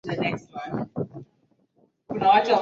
nusu ya vifo vya jumla hutokea katika nchi mbili tu kwa mujibu wa